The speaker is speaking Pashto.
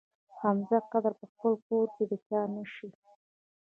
حمزه قدر په خپل کور کې د چا نه شي.